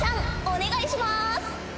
お願いします。